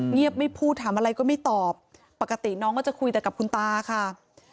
เงียบไม่พูดถามอะไรก็ไม่ตอบปกติน้องก็จะคุยแต่กับคุณตาค่ะ